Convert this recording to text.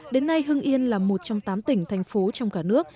đến nay hưng yên là một trong tám tỉnh thành phố trong cả nước